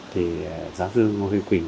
thì giáo sư ngô huy quỳnh